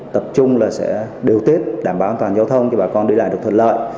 tập trung là sẽ điều tiết đảm bảo an toàn giao thông cho bà con đi lại được thuận lợi